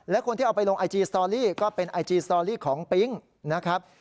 และคนที่เอาไปลงไอจีสตอรี่ก็เป็นไอจีสตอรี่ของปิ๊งนะครับ